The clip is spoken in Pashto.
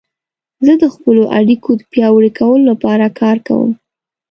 زه د خپلو اړیکو د پیاوړي کولو لپاره کار کوم.